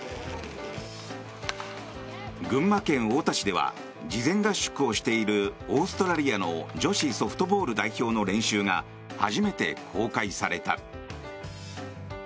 群馬県太田市では事前合宿をしているオーストラリアの女子ソフトボール代表の練習が初めて公開された。